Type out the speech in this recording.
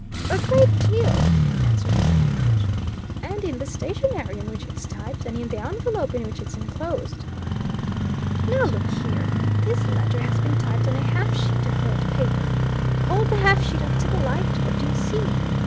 "A great deal!" answered Miss Penkridge. "And in the stationery on which it's typed, and in the envelope in which it's inclosed. Now look here: This letter has been typed on a half sheet of notepaper. Hold the half sheet up to the light what do you see?